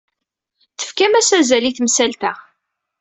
Tefkamt-as azal i temsalt-a.